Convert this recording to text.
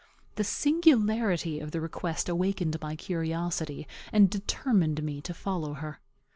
The singularity of the request awakened my curiosity, and determined me to follow her.